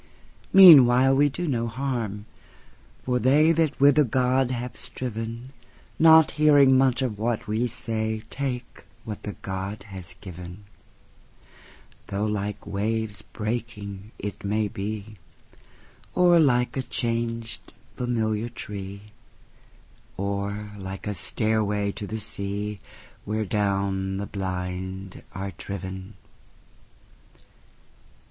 Meanwhile we do no harm; for theyThat with a god have striven, Not hearing much of what we say, Take what the god has given; Though like waves breaking it may be, Or like a changed familiar tree, Or like a stairway to the seaWhere down the blind are driven.